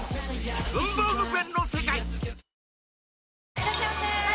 いらっしゃいませ！